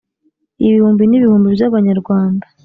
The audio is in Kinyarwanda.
ibihumbi n'ibihumbi by'abanyarwanda,